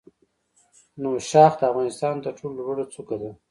نوشاخ د افغانستان تر ټولو لوړه څوکه ده.